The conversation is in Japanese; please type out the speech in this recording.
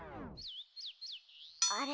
あれ？